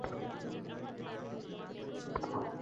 জানি, আমি ঘুড়ে দেখব তোমরা যাওনি।